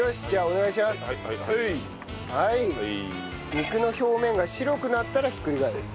肉の表面が白くなったらひっくり返す。